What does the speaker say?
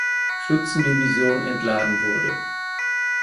Schützendivision entladen wurde.